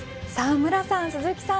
無良さん、鈴木さん